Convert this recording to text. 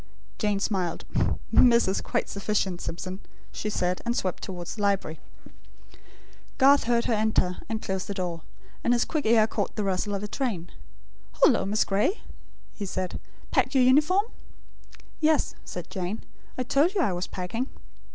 Jane smiled. "'Miss' is quite sufficient, Simpson," she said; and swept towards the library. Garth heard her enter, and close the door; and his quick ear caught the rustle of a train. "Hullo, Miss Gray," he said. "Packed your uniform?" "Yes," said Jane. "I told you I was packing."